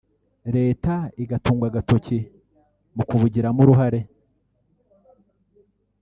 leta igatungwa agatoki mu kubugiramo uruhare